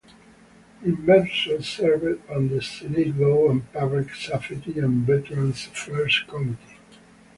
Inverso served on the Senate Law and Public Safety and Veterans' Affairs Committee.